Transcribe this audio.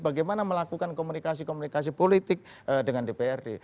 bagaimana melakukan komunikasi komunikasi politik dengan dprd